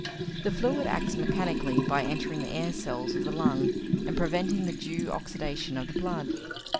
The fluid acts mechanically by entering the air cells of the lung and preventing the due oxidation of the blood.